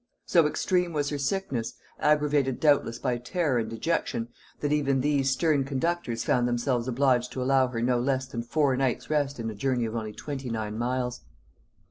So extreme was her sickness, aggravated doubtless by terror and dejection, that even these stern conductors found themselves obliged to allow her no less than four nights' rest in a journey of only twenty nine miles.